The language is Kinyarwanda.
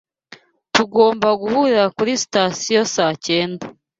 Tugomba guhurira kuri sitasiyo saa cyenda.